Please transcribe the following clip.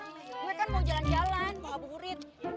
gue kan mau jalan jalan mau abu murid